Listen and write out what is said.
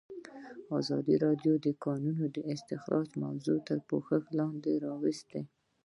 ازادي راډیو د د کانونو استخراج موضوع تر پوښښ لاندې راوستې.